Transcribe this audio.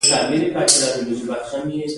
په داسې حالت کې هغه پانګوال چې پیسې لري